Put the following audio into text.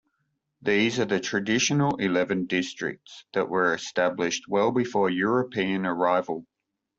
These are the traditional eleven districts that were established well before European arrival.